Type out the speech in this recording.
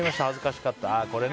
恥ずかしかった。